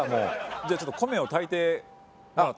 じゃあちょっと米を炊いてもらって。